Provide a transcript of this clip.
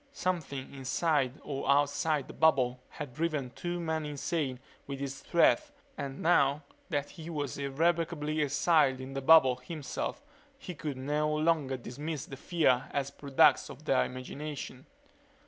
Something inside or outside the bubble had driven two men insane with its threat and now that he was irrevocably exiled in the bubble, himself, he could no longer dismiss their fear as products of their imagination.